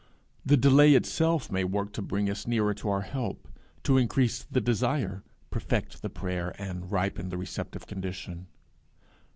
The delay itself may work to bring us nearer to our help, to increase the desire, perfect the prayer, and ripen the receptive condition.